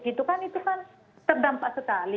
itu kan terdampak sekali